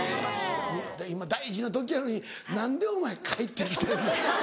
今大事な時やのに何でお前帰ってきてんねん。